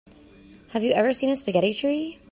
Have you ever seen a spaghetti tree?